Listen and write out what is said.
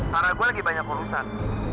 karena gue lagi banyak urusan